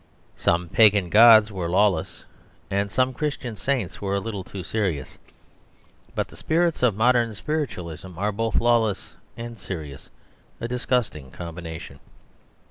Some Pagan gods were lawless, and some Christian saints were a little too serious; but the spirits of modern spiritualism are both lawless and serious a disgusting combination.